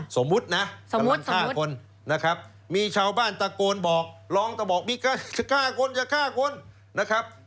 สมมุตินะโดนฆ่าคนนะครับมีชาวบ้านตะโกนบอกร้องแต่บอกมีฆ่าคนอย่าฆ่าคนนะครับ